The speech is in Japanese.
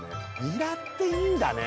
ニラっていいんだね